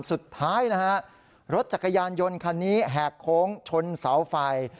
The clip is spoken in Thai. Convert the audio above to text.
สุดท้ายนะฮะรถจักรยานยนต์คันนี้แหกโค้งชนเสาไฟ